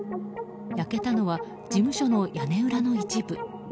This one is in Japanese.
焼けたのは事務所の屋根裏の一部。